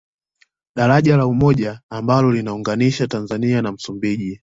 Daraja la Umoja ambalo lina unganisha Tanzania na Msumbiji